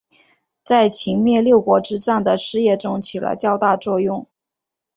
在秦灭六国之战的事业中起了较大作用。